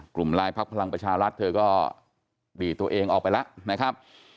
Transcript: กลุ่มไลน์พักพลังประชารัฐเธอก็ดีดตัวเองออกไปแล้วนะครับ